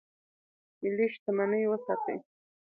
ملي شتمني وساتئ